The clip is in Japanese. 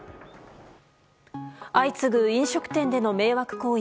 相次ぐ飲食店での迷惑行為。